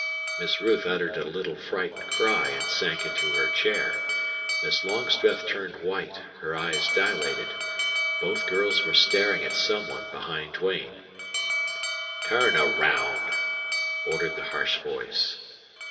Miss Ruth uttered a little frightened cry and sank into her chair. Miss Longstreth turned white, her eyes dilated. Both girls were staring at some one behind Duane. "Turn around!" ordered the harsh voice.